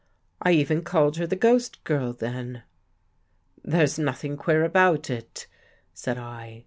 I even called her the ghost girl then." " There's nothing queer about it," said I.